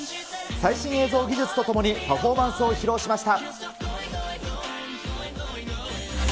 最新映像技術とともにパフォーマンスを披露しました。